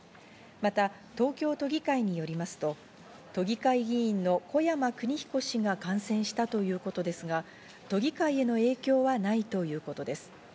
また、東京都議会によりますと都議会議員の小山くにひこ氏が感染したということですが、都議会への影響はないということです。